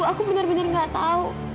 aku bener bener gak tau